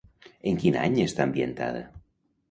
En quin any està ambientada?